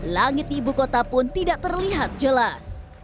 langit ibu kota pun tidak terlihat jelas